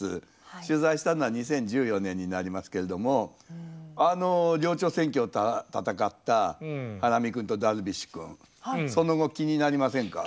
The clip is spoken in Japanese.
取材したのは２０１４年になりますけれどもあの寮長選挙を戦ったハラミ君とダルビッシュ君その後気になりませんか？